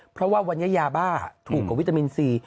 เพราะว่าวันนี้ยาบ้าถูกกว่าวิตามินซี